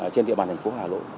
trên địa bàn thành phố hà nội